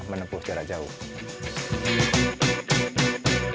jangan lupa subscribe channel ini